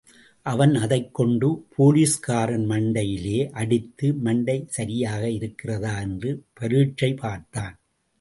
அவன் அதைக் கொண்டு போலிஸ்காரன் மண்டையிலே அடித்து, மண்டை சரியாக இருக்கிறதா என்று பரீட்சை பார்த்தான்.